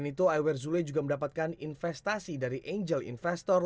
selain itu awer zule juga mendapatkan investasi dari angel investor